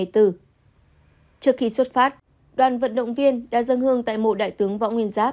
trước khi xuất phát đoàn vận động viên đã dâng hương tại mộ đại tướng võ nguyên giáp